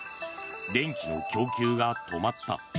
電気の供給が止まった。